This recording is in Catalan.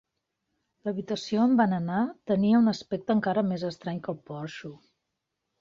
L'habitació on van anar tenia un aspecte encara més estrany que el porxo.